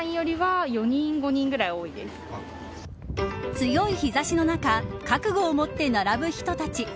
強い日差しの中覚悟を持って並ぶ人たち。